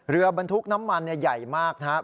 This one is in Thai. บรรทุกน้ำมันใหญ่มากนะครับ